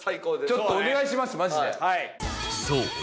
ちょっとお願いしますマジで。